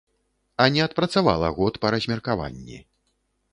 А не адпрацавала год па размеркаванні.